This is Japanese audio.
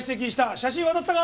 写真渡ったか？